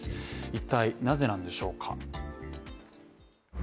一体、なぜなんでしょうか。